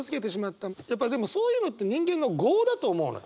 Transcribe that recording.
やっぱそういうのって人間の業だと思うのよ。